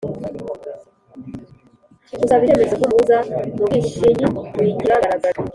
gusaba icyemezo nk’umuhuza mu bwishingi wigenga bigaragaza